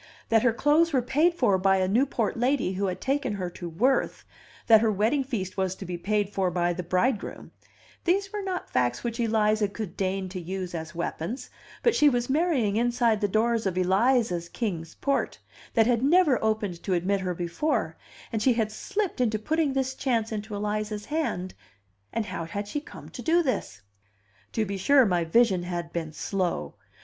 That her clothes were paid for by a Newport lady who had taken her to Worth, that her wedding feast was to be paid for by the bridegroom, these were not facts which Eliza would deign to use as weapons; but she was marrying inside the doors of Eliza's Kings Port, that had never opened to admit her before, and she had slipped into putting this chance into Eliza's hand and how had she come to do this? To be sure, my vision had been slow!